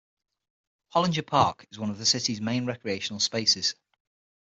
Hollinger Park is one of the city's main recreational spaces.